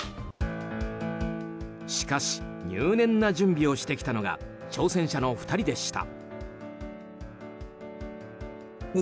しかし入念な準備をしてきたのが挑戦者の２人でした。